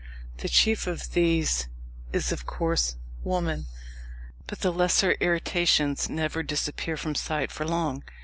The chief of these is, of course, woman. But the lesser irritations never disappear from sight for long.